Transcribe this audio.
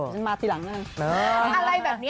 เนี่ยอะไรแบบเนี้ย